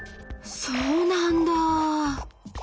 そうなんだ！